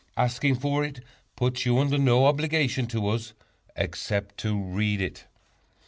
Asking for it puts you under no obligation to us except to read it.